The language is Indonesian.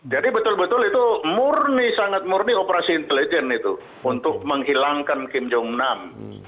jadi betul betul itu murni sangat murni operasi intelijen itu untuk menghilangkan kim jong nam